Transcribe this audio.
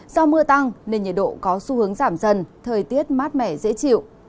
do mưa tăng nên nhiệt độ có xu hướng giảm dần thời tiết mát mẻ dễ chịu